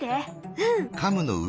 うん。